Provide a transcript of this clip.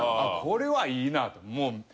これはいいなと。